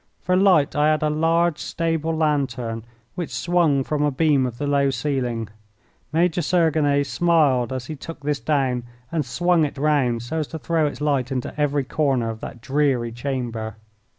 For light I had a large stable lantern, which swung from a beam of the low ceiling. Major Sergine smiled as he took this down, and swung it round so as to throw its light into every corner of that dreary chamber.